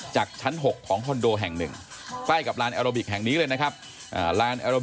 จากชั้นหกของคอนโดแห่ง๑ไปกับลานแอโรบิกแห่งนี้เลยนะครับ